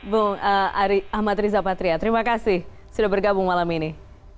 bung ahmad riza patria terima kasih sudah bergabung malam ini